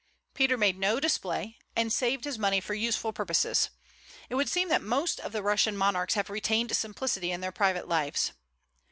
Peter made no display, and saved his money for useful purposes. It would seem that most of the Russian monarchs have retained simplicity in their private lives.